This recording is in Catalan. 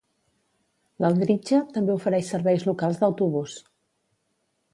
L'Aldridge també ofereix serveis locals d'autobús.